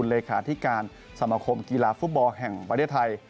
เลขาธิการสมคมกีฬาฟุตบอลแห่งประเทศไทย